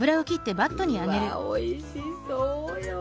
うわおいしそうよ。